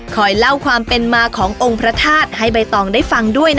เล่าความเป็นมาขององค์พระธาตุให้ใบตองได้ฟังด้วยนะคะ